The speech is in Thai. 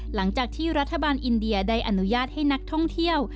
หลังจากที่รัฐบาลอินเดียได้อนุญาตให้นักท่องเที่ยว